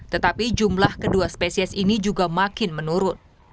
tetapi jumlah kedua spesies ini juga makin menurun